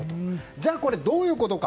じゃあ、これはどういうことか。